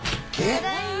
ただいま。